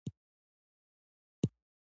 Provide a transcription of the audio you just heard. احمد لږې پیسې پیدا کړې.